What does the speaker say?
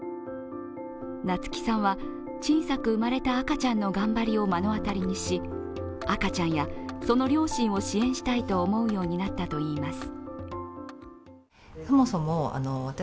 夏季さんは、小さく生まれた赤ちゃんの頑張りを目の当たりにし赤ちゃんや、その両親を支援したいと思うようになったといいます。